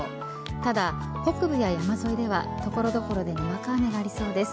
ただ北部や山沿いでは所々でにわか雨がありそうです。